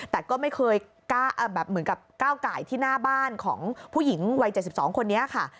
แต่ก็ไม่เคยเหมือนกับก้าวไก่ที่หน้าบ้านของผู้หญิงวัย๗๒คนนี้ค่ะ